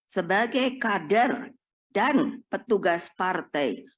sebagai kader dan petugas partai